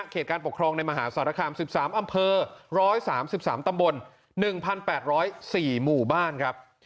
การปกครองในมหาสารคาม๑๓อำเภอ๑๓๓ตำบล๑๘๐๔หมู่บ้านครับ